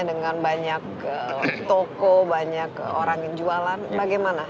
dengan banyak toko banyak orang yang jualan bagaimana